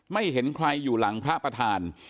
ไม่เห็นใครอยู่หลังพระประธาน